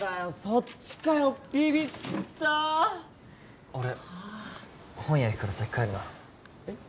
そっちかよビビった俺本屋行くから先帰るなえっ？